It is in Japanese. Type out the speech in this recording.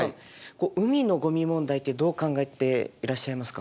海のゴミ問題ってどう考えていらっしゃいますか？